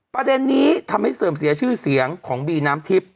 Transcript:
ประเด็นนี้ทำให้เสื่อมเสียชื่อเสียงของบีน้ำทิพย์